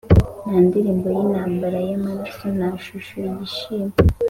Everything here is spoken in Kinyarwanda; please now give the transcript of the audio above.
nta ndirimbo y'intambara yamaraso, nta shusho yishimye